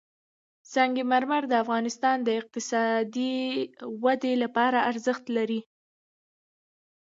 سنگ مرمر د افغانستان د اقتصادي ودې لپاره ارزښت لري.